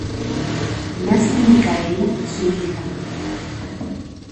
Nace Micaela, su hija.